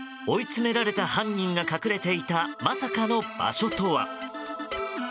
追い詰められた犯人が隠れていたまさかの場所とは。